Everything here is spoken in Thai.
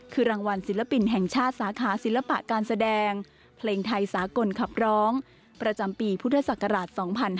คือรางวัลศิลปินแห่งชาติสาขาศิลปะการแสดงเพลงไทยสากลขับร้องประจำปีพุทธศักราช๒๕๕๙